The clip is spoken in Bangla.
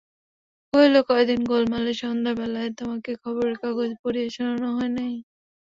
কহিল, কয়দিন গোলমালে সন্ধ্যাবেলায় তোমাকে খবরের কাগজ পড়িয়া শোনানো হয় নাই।